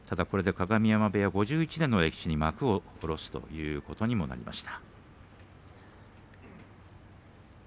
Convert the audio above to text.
ただこれで、鏡山部屋は５１年の歴史に幕を閉じるということになりました。